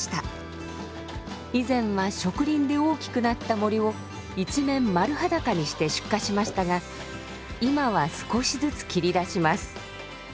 以前は植林で大きくなった森を一面丸裸にして出荷しましたが今は少しずつ切り出します。